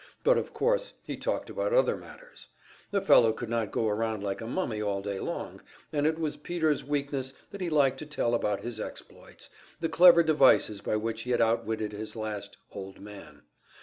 But, of course, he talked about other matters. A fellow could not go around like a mummy all day long, and it was Peter's weakness that he liked to tell about his exploits, the clever devices by which he had outwitted his last "Old Man."